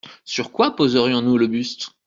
Sur quoi poserions-nous le buste ?